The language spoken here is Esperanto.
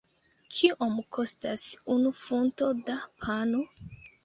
Kiom kostas unu funto da pano?